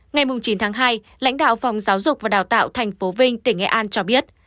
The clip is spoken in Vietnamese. ngày chín tháng hai lãnh đạo phòng giáo dục và đào tạo tp vinh tỉnh nghệ an cho biết